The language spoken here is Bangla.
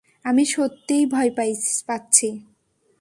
আমি সত্যিই ভয় পাচ্ছি!